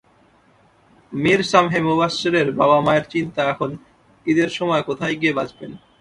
মীর সামেহ মোবাশ্বেরের বাবা মায়ের চিন্তা এখন ঈদের সময় কোথায় গিয়ে বাঁচবেন।